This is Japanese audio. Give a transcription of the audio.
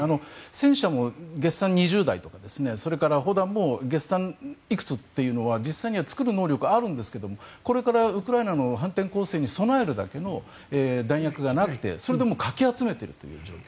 戦車も月産２０台とかそれから、砲弾も月産いくつというのは実際には作るだけの力はあるんですがこれからウクライナの反転攻勢に備えるだけの弾薬がなくてもうかき集めているという状況。